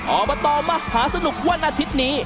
อบตมหาสนุกวันอาทิตย์นี้